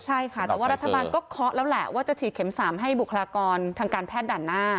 ใช่ค่ะแต่ว่ารัฐบาลก็เคาะแล้วแหละว่าจะฉีดเข็ม๓ให้บุคลากรทางการแพทย์ด่านหน้า